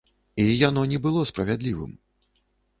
І яно не было справядлівым.